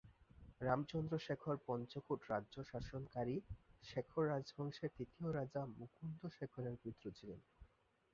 রামচন্দ্র শেখর পঞ্চকোট রাজ্য শাসনকারী শেখর রাজবংশের তৃতীয় রাজা মুকুন্দ শেখরের পুত্র ছিলেন।